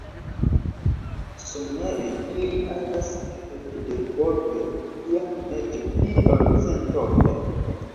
Somere ili agas kelkdek-ope, iam eĉ pli-ol-centope.